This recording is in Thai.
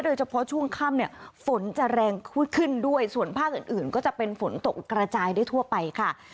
โดยเฉพาะช่วงค่ำเนี่ยฝนจะแรงขึ้นด้วยส่วนภาคอื่นอื่นก็จะเป็นฝนตกกระจายได้ทั่วไปค่ะ